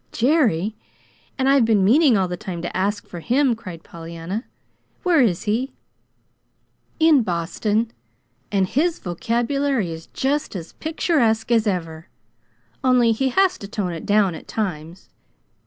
"Jerry! And I've been meaning all the time to ask for him," cried Pollyanna. "Where is he?" "In Boston; and his vocabulary is just as picturesque as ever, only he has to tone it down at times.